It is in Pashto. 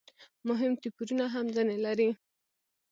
مهم توپیرونه هم ځنې لري.